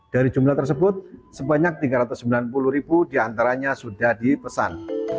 dari jumlah tersebut sebanyak tiga ratus sembilan puluh ribu diantaranya sudah dipesan